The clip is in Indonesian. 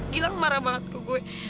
gilang marah banget ke gue